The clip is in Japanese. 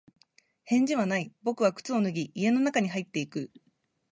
返事はない。僕は靴を脱ぎ、家の中に入っていく。